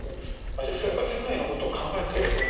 じゃあ世界のことを考えたってことですか？